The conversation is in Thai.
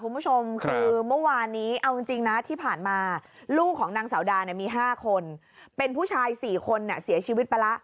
เมื่อวานี้เอาจริงนะที่ผ่านมาลูกของนางสาวดามี๕คนเป็นผู้ชาย๔คนเสียชีวิต